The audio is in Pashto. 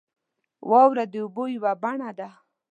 • واوره د اوبو یوه بڼه ده.